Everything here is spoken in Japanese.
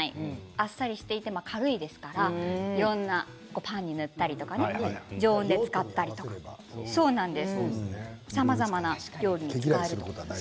あっさりしていて軽いですからいろいろなパンに塗ったりとかね常温で使ったりとかさまざまな料理に使えると。